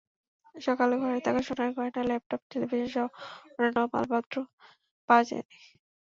সকালে ঘরে থাকা সোনার গয়না, ল্যাপটপ, টেলিভিশনসহ অন্যান্য মালপত্র পাওয়া যায়নি।